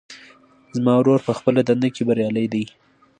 زما ورور په خپله دنده کې بریالۍ ده